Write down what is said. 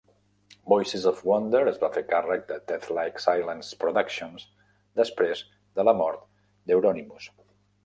Voices of Wonder es va fer càrrec de Deathlike Silence Productions després de la mort d'Euronymous.